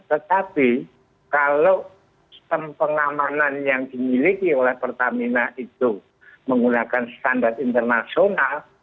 tetapi kalau sistem pengamanan yang dimiliki oleh pertamina itu menggunakan standar internasional